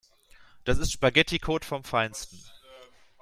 Das ist Spaghetticode vom Feinsten.